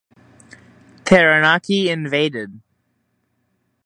Taranaki invaded.